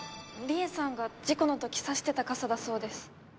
りえさんが事故の時差してた傘だそうです。